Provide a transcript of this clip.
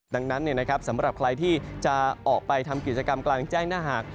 ดังนั้นสำหรับใครที่จะออกไปทำกิจกรรมกลางแจ้งหน้าหาก